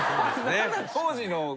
当時のね。